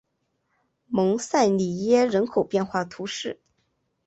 蒙塞里耶人口变化图示